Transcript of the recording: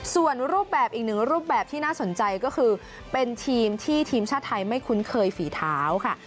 ส่วนรูปแบบอีกหนึ่งรูปแบบที่น่าสนใจก็คือเป็นทีมที่ทีมชาติไทยไม่คุ้นเคยฝีเท้าค่ะ